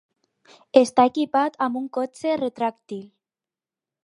Està equipat amb un cotxe retràctil.